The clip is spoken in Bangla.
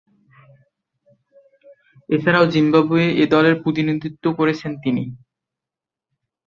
এছাড়াও, জিম্বাবুয়ে এ দলের প্রতিনিধিত্ব করেছেন তিনি।